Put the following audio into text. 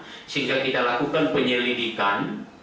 sehingga kita lakukan penyelidikan